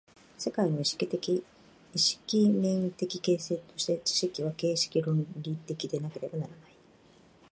世界の意識面的形成として、知識は形式論理的でなければならない。